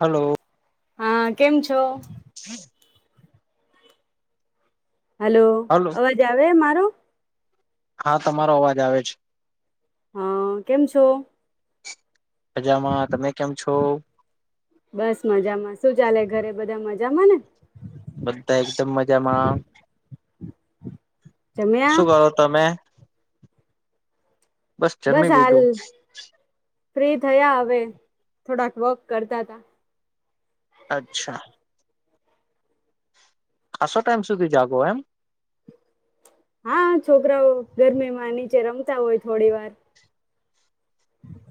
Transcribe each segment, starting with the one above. Hello હા કેમ છો હમ હલો અવાજ આવે મારો હા તમારો અવાજ આવે છે હા કેમ છો અજામાં તમે કેમ છો બસ મજામાં શું ચાલે ઘરે બધા મજામાં ને બધા એકદમ મજામાં જમ્યા શું કરો તમે બસ જમી હાલ લીધું ફ્રી થયા હવે થોડાક વોક કરતા હતા અચ્છા ખાસો ટાઈમ સુધી જાગો એમ હા છોકરાઓ ગરમીમાં નીચે રમતા હોય થોડી વાર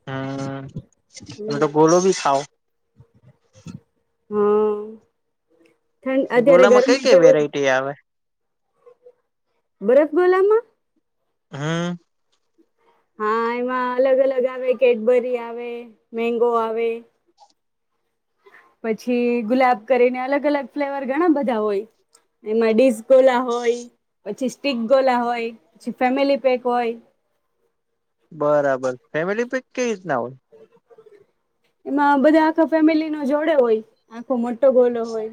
હમ એમે તો ગોલો બી ખાઓ હમ ઠંડ અત્યારે ગોલામાં કઈ ગરમી કઈ જેવું વેરાયટી આવે બરફ ગોલામાં હમ હા એમાં અલગ અલગ આવે કેડબરી આવે, મેગો આવે પછી ગુલાબ કરીને અલગ અલગ ફ્લેવર ઘણા બધા હોય એમાં ડીસ ગોલા હોય પછી સ્ટક ગોલા હોય પછી ફેમિલી પેક હોય બરાબર ફેમિલી પેક [unintelligible] એમાં બધા આખા ફેમિલી નો જોડે હોય આખો મો ગોલો હોય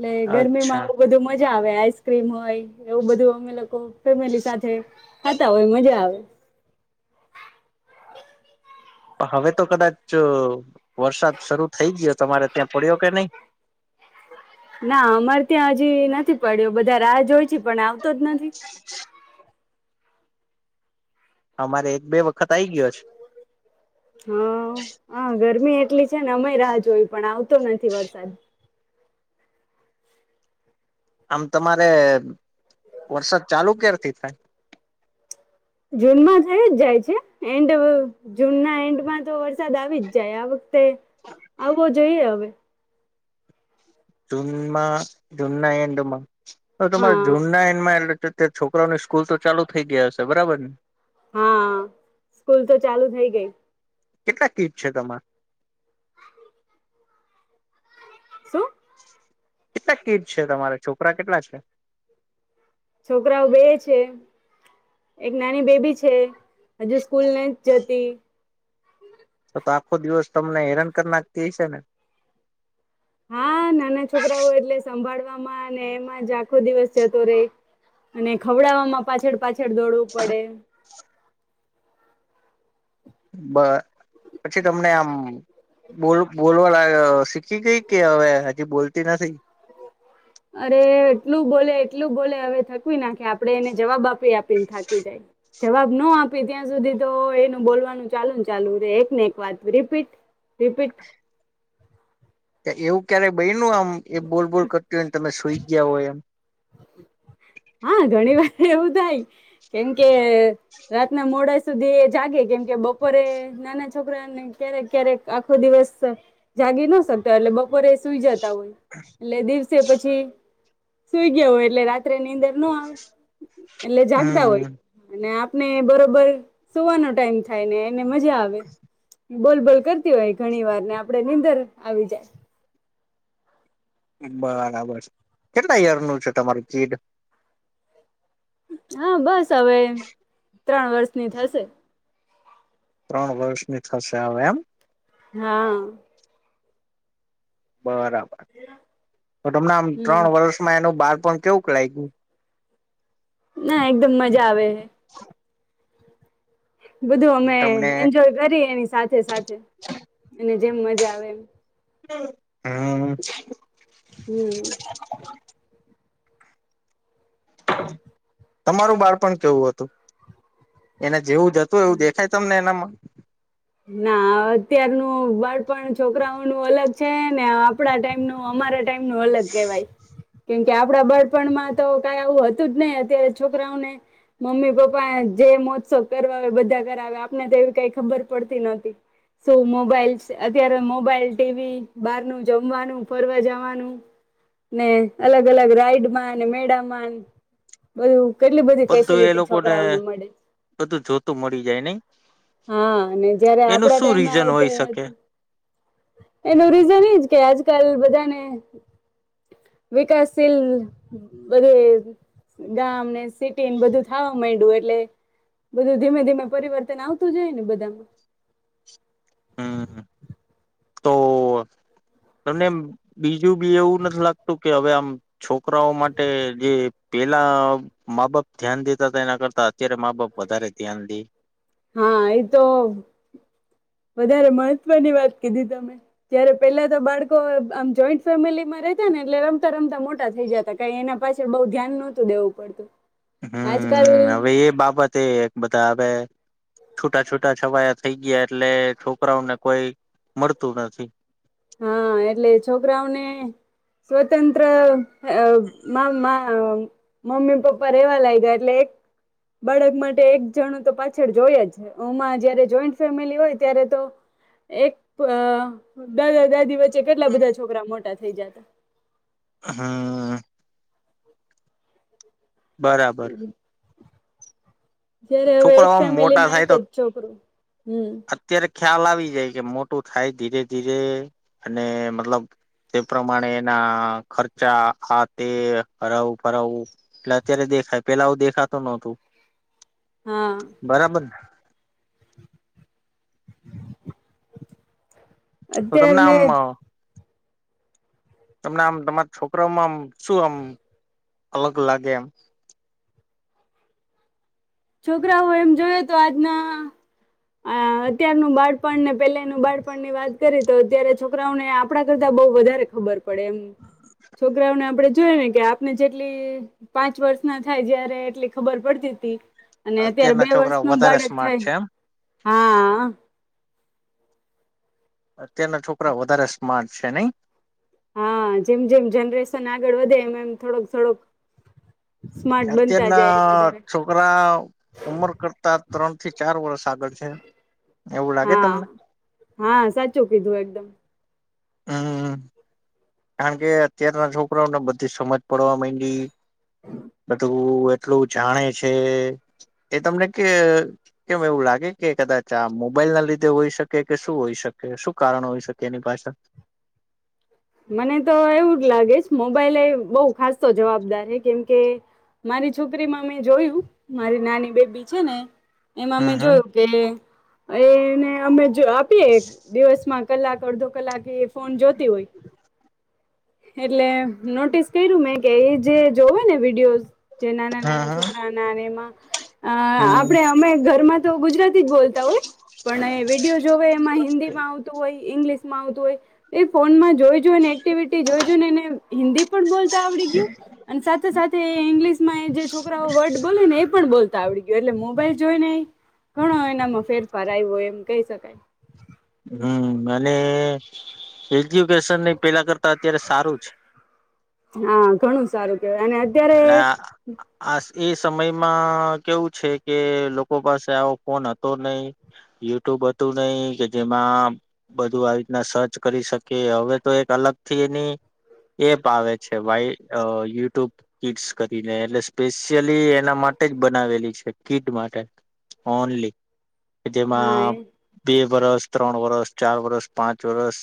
એટલે ગરમીમાં અચ્છા આવું બધું [unintelligible] મજા આવે આઈસક્રીમ હોય એવું બધું અમે લોકો ફેમિલી સાથે ખાતા હોય મજા આવે હવે તો કદાચ વરસાદ શરૂ થઈ ગયો. તમારે ત્યાં પડ્યો કે નહી? ના અમારે ત્યાં હજી નથી પડ્યો, બધા રાહ જોય છે પણ [unintelligible] જ નથી અમારે એક બે વક [unintelligible] હુ હુ ગરમી એટલી અમેય રાહ જોઈ, પણ આવ [unintelligible] નથી વરસાદ આમ તમારે વરસાદ ચાલુ ક્યારથી થાય? જૂન માં થઈ જ જાય છે. એન્ડ જૂનના એન્ડમાં તો વરસાદ આવી જ જાય, આ [inaudible] જઈએ હવે. જૂન માં જૂન ના એન્ડમાં? તો તમારો જૂન હા ના એન્ડ મા એટલે કે છોકરાની સ્કૂલ તો ચાલુ થઇ ગઈ હશે, બરાબરને? હા, સ્કૂલ તો ચાલુ થઈ ગઈ. કેટલા કિડ છે તમારે? [inaudible] [inaudible] કેટલા કિડ છે? તમારા છોકરા કેટલા છે? છોકરાઓ બે છે. એક નાની બેબી છે. હજુ સ્કૂલ નઈ જતી. તો તો આખો દિવસ તમને હેરાન કરી નાખતી હશેને? હા નાના છોકરા ઓય એટલે સંભાળવા એમા ને એમાં જ આખો દિવસ જતો રેય અને ખવડાવમાં પાછળ પાછળ [inaudible] દોડવું પડે બ પછી તમને આમ બોલ બોલવા લાય શીખી ગઈ કે હવે, હજી બોલતી નથી? અરે એટલું બોલે એટલું બોલે હવે થકવી નાખે આપડે, એને જવાબ આપી આપીને થાકી જાય જવાબ ના આપી ત્યાં સુધી તો એનું બોલવાનું ચાલુ ને ચાલુ રે, એક ને એક વાત રીપીટ રીપીટ એવું ક્યારેય બ ? નું આમ એ બોલ બોલ કરતી હોય ને? તમે સુઈ ગયા હો એમ? હા ઘણી વાર એવું થાય. કેમકે રાતના મોડા સુધી જાગે, કેમકે બપોરે નાના છોકરાને ક્યારેક ક્યારેક આખો દિવસ જાગી ન શકતો, એટલે બપોરે સુઈ જત હોય લે દિવસ પછી સુઈ ગયો હોય, એટલે રાત્રે ની નીંદર નો આવે. એટલે જાગતા હોય હમ અને ને બરોબર સુવાનો ટાઈમ થાય ને મજા આવે. બોલબોલ કરતી હોય, ઘણી વાર ને આપડે નીંદર આવી જાય. બરાબર છે કેટલા યરનું છે તમારું ચીડ હા બસ હવે ત્રણ વર્ષની થશે. ત્રણ વર્ષની થશે હવે એમ. હા. બરાબર તો તમને આમ હમ ત્રણ વર્ષમાં એનું બાર પણ કેવું ક લાગ ગ્યું. ના એકદમ મજા આવે હ. બધું અમે તમને એન્જોય કરી એની સાથે સાથે અને જેમ મજા આવે એમ હમ. હમ તમારું બાળપ કેવું હતું એને જેવું જતું એવું દેખાય તમને એનામાં ના અત્યારનું બાળપણ છોકરાઓ નું અલગ છે ને આપડા ટાઈમ ન અમારા ટાઈમ ન લગે ભાઈ. કેમકે આપડા બાળપણમાં તો કઈ આવું હતું જ નઈિ અત્યારે છોકરાઓને મમ્મી પપ્પા જે મહોત્સવ કરવા આવે બધા કરાવ આપને તો એવી કઈ ખબર પડતી નહતી શું મોબાઈલ અત્યારે મોબાઈલ ટીવી બાર ન જમવાનું ફરવા જવાનું ને અલગ અલગ રાઈડમાં મેળામાં બધું કેટલી બધી બધું એ ફેસિલિટી લોકોને છોકરાઓને મળે બધું જોતું મળી જાય નઈ હા. અને જયારે એનું આપડા શું ટાઈમમાં રીઝન આવું હોઈ કયો શકે હતું એનું રીઝન એજ કે આજકાલ બધાને વિકાસશીલ બધે ગામને સિટી બધું થવા માંડું એટલે બધું ધીમે ધીમે પરિવર્તન આવતું જાય ને બધામાં. હમ તો તમને બી જું બી એવું નથી લાગતું કે હવે આમ છોકરાઓ માટે જે પેલા મા બાપ ધ્યાન દેતા હતા એના કરતા અત્યારે મા બાપ વધારે ધ્યાન દે? હા એતો વધારે મહત્વની વાત કીધી તમે જ્યારે પેલા તો બાળકો આમ જોઈન્ટ ફેમિલીમાં રતા ને એટલે રમતા-રમતા મોટા થઈ જતા ક એના પાછ બઉુ ધ્યાન નહોતું દેવું પડતું. આજકાલ હમ હવે એ બાબત એ બધા હવે છૂટા છૂટા છવાયા થઈ ગયા એટલે છોકરાઓને કોઈ મળતું નથી. હા એટલે છોકરાઓને સ્વતંત્ર મમ્મી પપ્પા રેવા લાગ્યા એટલે એક બાળક માટે એક જણું તો પાછળ જોય જ હમાં જયારે જોઈન્ટ ફેમિલી હોય ત્યારે તો એક દર [unintelligible] દિવસ કેટલા બધા છોકરા મોટા છે. થઈ જત. હા. બરાબર. જય્યારે હવે એક છોકરાઓ આમ ફેમિલી મોટા માં એક થાય જ તો છોકરું હમ. અત્યારે ખ્યાલ આવી જાય કે મોટું થાય ધીરે ધીરે અને મતલબ તે પ્રમાણે એના ખર્ચા આ તે હરાવું ફરાવું એટલે અત્યારે દેખાય પેલા આવું દેખાતું નહતું. હા બરાબરને? તો તમને અત્યારને આમ તમને આમ તમારા છોકરાઓમાં આમ શું આમ અલગ લાગે એમ? છોકરાઓ એમ જોય, તો આજના અત્યારનું બાળપણને પેલાનું બાળપણની વાત કરી તો અત્યારે છોકરાઓને આપડા કરતા, બઉ વધારે ખબર પ પડે એમ, છોકરાઓને આપણેે જો ને, કે આપને જેટલી પાંચ વર્ષ ના થાય, જયારે એટલી ખબર પડતી હતી અને અત્યારે બે અત્યારના વર્ષ છોકરા નું, વધારે બાળક સ્માર્ટ થાય છે એમ હા. અત્યારના છોકરા, વધારે સ્માર્ટ છે, નહી? હા, જેમ, જેમ જનરેશન આગળ વધે એમ એમ થોડોક, થડોક અત્યારના છોકરા, ઉમર કરતા ત્રણ થી, ચાર વર્ષ આગળ છે એવું લાગે હા, તમને હા સાચું કીધું એકદમ. હા. કારણ કે, અત્યારના છોકરાઓને બધી સમજ પડવા માંડી બધું કેટલું જાણે છે, એ તમને કે કેમ એવું લાગે કે કદાચ આ મોબાઈલ ના લીધે હોઈ, શકે કે શું હોઈ શકે શું કારણ હોઈ, શકે એની પાછળ? મને તો એવું જ લાગે જ મોબાઈલ એ બહુ ખાસતો જવાબદાર, હ કેમકે મારી છોકરીમાં મેં જોયું મારી નાની બેબી છેને એમાં મે હમ હમ જોયું કે એને, અમે જો, આપીએ દિવસમાં કલાક અડધો કલાક એ ફોન જોતી હોય. એટલે નોટિસ કર્યું, મેં કે એજ જે, જોવે ને વિડિઓઝ, જે નાના, નાના હમ છોકરાઓના, આવે એમાં હમ આપડે અમે ઘરમાં તો ગુજરાત તી બોલતા હોય, પણ વિડીયો જોવે એમાં હિન્દીમા આવતું હોય, ઇંગ્લિશ મા આવતું હોય, એ ફોનમાં જો જો એકટીવીટી જોઈ, જોઈ ને, ને હિન્દી પણ બોલતા આવડી ગયું, અને સાથે સાથે ઇંગ્લિશમા જે છોકરા વર્ડ બોલે, ને એ પણ બોલ તા આવડી ગયો, એટલે મોબાઈલ જોઈ ને ઘણો, એનામાં ફેરફાર આયવો એમ કહી શકાય. હમ, અને એ જ્યુકેશન ની પેલા કરતા, અત્યારે સારું છે. હા, ઘણું સારું કે અને અત્યારે માં કેવું છે, કે લોકો પાસે આવો ફોન હતો નઈ યુટ્યુબ હતું નઈ, કે જેમાં બધું આવી રીતના સર્ચ કરી શકે, હવે તો એક અલગ થી, એની એપ આવે છે, વાય યુ ટૂબ કિડ્સ કરીને એટલે સ્પેશિયલી એના માટે જ બનાવેલી છે, કીધું માટે ઓનલી કે હા એ જેમાં બે વરસ ત્રણ વરસ, ચાર વરસ. પાંચ વર્ષ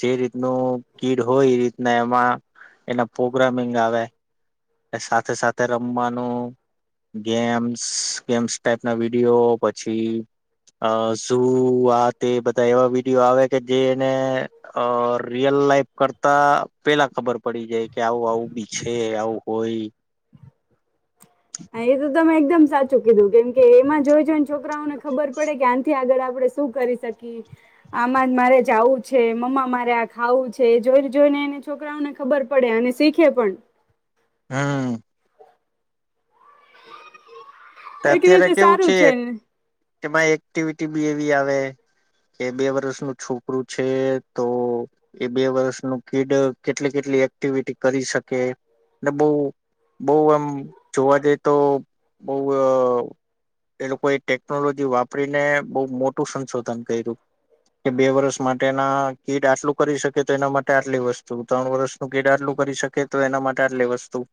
જે રીતનું કીડ હોય, એ રીતના એમાં એના પ્રોગ્રામિંગ આવે. સાથે સાથે રમવાનું ગેમ્સ ગેમ્સ ટાઈપ ના વિડિઓ પછી અ શુ આ તે બધા એવા વિડિઓ આવે કે જેને રિયલ લાઈફ કરતા પેલા ખબર પડી જાય કે આવું આવું બી છે આવું હોય. હા એ તો તમે એકદમ સાચું કીધું કેમ કે એમાં જોય જોય. છોકરાઓને ખબર પડે કે આંથી આગળ આ પડે શું કરી શકી આમાં મારે જાવું છે મમ્મા મારે આ ખાવું છે જોઈને જોઈને એને છોકરાઓને ખબર પડે અને શીખે પણ. હા. [inaudible] એક રીતે સારું છે ને. તેમાં એક્ટિવિટી બી એવી આવે કે બે વર્ષનું છોકરું છે તો એ બે વર્ષનું કીડ કેટલી કેટલી એક્ટિવિટી કરી શકે ન બઉ બઉ એમ જોવા જઈ તો બઉ ઉઅ એ લોકોએ ટેકનોલોજી વાપરીને બઉ મોટું સંશોધન કર્યું કે બે વર્ષ માટેના કીટ આટલું કરી શકે તો એના માટે આટલી વસ્તુ ત્રણ વર્ષનું કીટ આટલું કરી શકે તો એના માટે આટલી વસ્તુ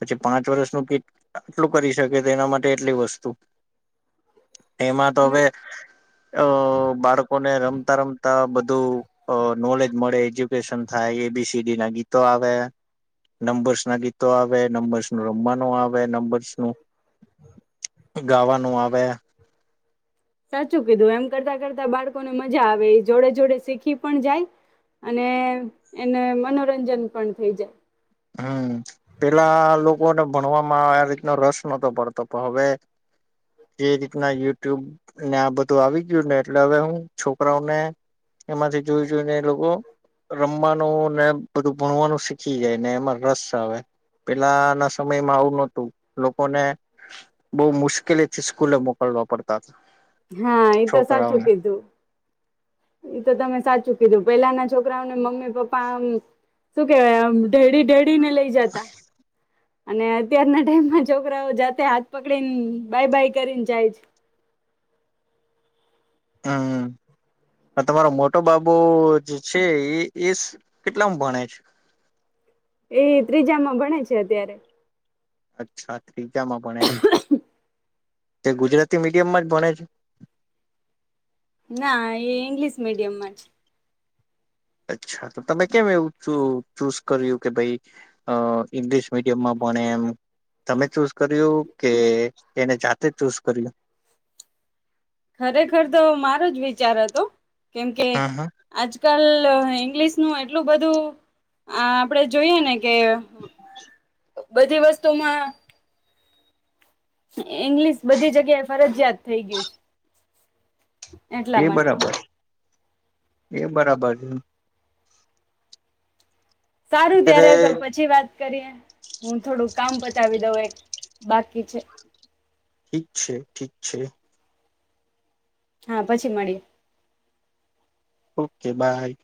પછી પાંચ વર્ષનું કીટ ટલું કરી શકે તે એના માટે એટલી વસ્તુ એમાં તો હવે અ બાળકોને રમતા રમતા બધું અ નોલેજ મળે એજ્યુકેશન થાય એ બી સી ડી ના ગીતો આવે નંબર્સ ના ગીતો આવે નંબર્સ નું રમવાનું આવે નંબર્સ નું ગાવાનું આવે. સાચું કીધું એમ કરતા કરતા બાળકોને મજા આવે એ જોડે જોડે શીખી પણ જાય અને એને મનોરંજન પણ થઈ જાય. હમ પેલા લોકોને ભણવામાં આ રીતનો રસ નતો પડતો પણ હવે એ રીતના યુટ્યુબ ને આ બધું આવી ગયું ને એટલે હવે હું છોકરાઓને એમાંથી જોઈ જોઈને એ લોકો રમવાનું ને બધું ભણવાનું શીખી જાય. ને એમાં રસ આવે પેલા ના સમયમાં આવું નતું લોકોને બહુ મુશ્કેલી થી સ્કૂલે મોકલવા પડતા. હતા હા એ તો સાચું છોકરાઓને કીધું એ તો તમે સાચું કીધું પેલા ના છોકરાઓને મમ્મી પપ્પા શું કેવાય ઢેડી ઢેડી ને લઇ જતા. અને અત્યારના ટાઈમમાં છોકરાઓ જાતે હાથ પકડી બાય બાય કરીને જાય છે. હમ તમારો મોટો બાબુ જે છે એ એ કેટલામાં ભણે છે. એ ત્રીજામાં ભણે છે અત્યારે. અચ્છા. ટીચામાં પણ એ તે ગુજરાતી મીડિયમમાં જ ભણે છે. ના એ ઇંગ્લિશ મીડિયમમાં જ. અચ્છા તો તમે કેમ એવું ચૂઝ કર્યું કે ભાઈ ઈંગ્લિશ મીડિયમમાં ભણે એમ તમે ચૂઝ કર્યું કે એને જા તે ચૂઝ કર્યો ખરેખર તો મારો જ વિચાર હતો [inaudible] કેમ કે હા હા આજ કલ ઇંગ્લિશ નું એટલું બધું આપડે જોઈએ ને [inaudible] બધી વસ્તુમાં ઇંગ્લિશ બધી જગ્યા એ ફરજિયાત થઇ ગયું છે. એ એટલા માટે બરાબર. એ બરાબર છે. સારું અત્યારે ત્યારે તો પછી વાત કરીએ હું થોડુંક કામ પતાવી દઉં એક બાકી છે. ઠી છે ઠીક છે. હા પછી મળી. Okay by.